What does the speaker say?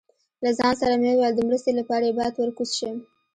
له ځان سره مې وویل، د مرستې لپاره یې باید ور کوز شم.